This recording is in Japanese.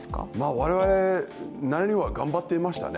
我々なりには頑張ってましたね。